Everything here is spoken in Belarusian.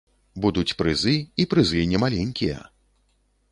Будуць прызы, і прызы немаленькія.